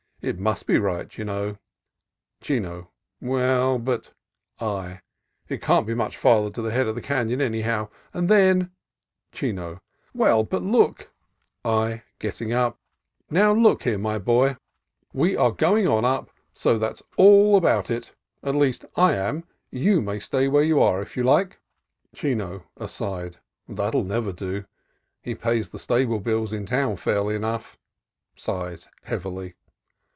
It must be right, you know." Chino. "Well, but—" i". "It can't be much farther to the head of the canon, anyhow, and then —" Chino. "Well, but look— " I (getting up). "Now, look here, my boy, we are 152 CALIFORNIA COAST TRAILS going on up, so that's all about it: at least, I am: you may stay where you are, if you like." Chino {aside). "That'll never do: he pays the stable bills in town fairly enough." (Sighs heavily.)